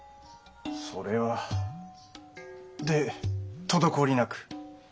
それは。で滞りなく？